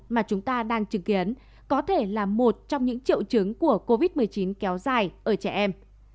mà chúng ta đang chứng kiến có thể là một trong những triệu chứng của covid một mươi chín kéo dài ở trẻ em